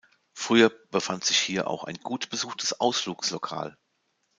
Früher befand sich hier auch ein gut besuchtes Ausflugslokal.